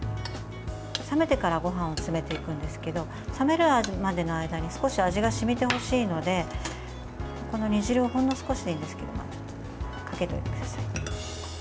冷めてからごはんを詰めていくんですけれども冷めるまでの間に少し味が染みてほしいのでこの煮汁をほんの少しでいいですけどかけておいてください。